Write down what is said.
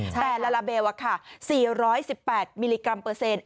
แต่ลาลาเบล๔๑๘มิลลิกรัมเปอร์เซ็นต์